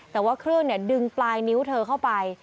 แต่ว่าเครื่องดึงปลายนิ้วเธอเข้าไป